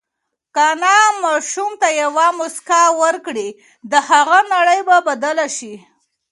که انا ماشوم ته یوه مسکا ورکړي، د هغه نړۍ به بدله شي.